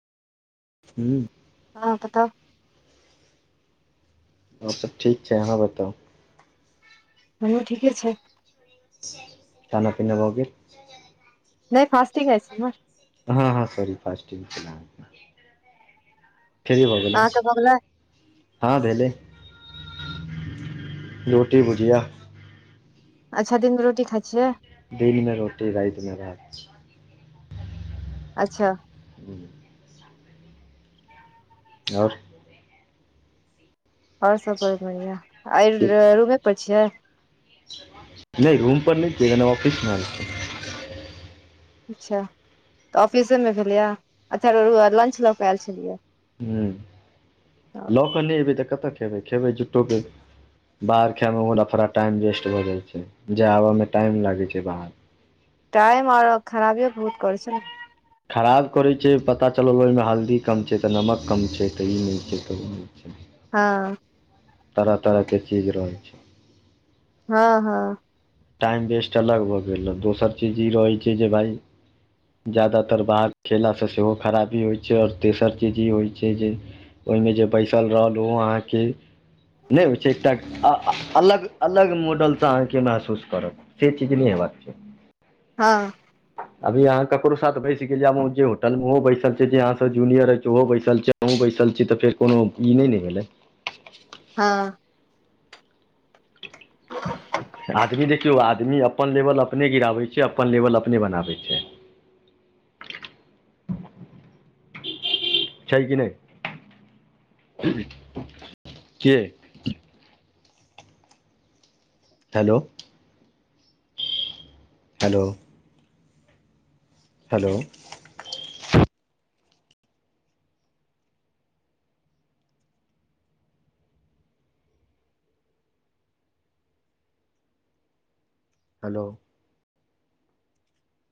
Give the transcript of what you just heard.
हूँ हँ पतहु औरसब ठीक छै अहाँ बताऊं हमरो ठीके छै खाना पीना भऽ गेल नय फास्टी खइ छै म हँ हं सही फास्टिंग छलै आहा के ठीक भऽ गेलउ अहाँके भऽ गेलै हँ भेलय रोटी भुजिया अच्छा दिन में रोटी खाइ छियै दिन में रोटी राइतमे भात अच्छा हं ओर ओर सब बहुत बढ़िआं आय रू रूमे पर छियै नय रूम पर नय छियइ खन ऑफिस एल छियै अच्छा तऽ ऑफिसेमे भेलै ये अच्छा फेर लंच लऽ कऽ एल छलियै हं ओ लऽ कऽ नय एबै तऽ कतऽ खेबै खेबै जुटटोके बाहर खए में परा फोड़ा टाइम वेस्ट भऽ जाय छै जा आबय में टाइम लागे छै बाहर टाइम आओर खराबी बहुत करै छै नऽ खराब करैत छै पता चलल ओहिमे हल्दी कम छै तऽ नमक कम छै तऽ ई नहि छै तऽ नहि छै हँ तरह तरह के चीज रहै छै हँ हँ टाइम वेस्ट अलग भऽ गेल ह दोसर चीज ई रहैत छै जे भइ ज्यादातर भात खेलासँ सेहो खराबी होइत छै आओर तेसर चीज ई होइ छै जे ओहिमे जे बैसल रहल ओहो अहाँके नहि होइ छै एकटा अलग अलग मॉडल से अहाँ के महसूस करब से चीज नहि हबय क छाहि हँ अभी यहाँ ककरो साथ बैस गेल जे होटल मे ओहो बैसल छै जे अहाँ जूनियर ओहो बैसल छै अहूँ बैसल छी तऽ फेर कोनो ई नहि नहि भेलैय हँ [inaudible] आदमी देखियौ आदमी अपन लेवल अपने गिराबै छै अपन लेवल अपने बनाबै छै [inaudible] छै कि नहि कि हेलो हैलो हेलो हेलो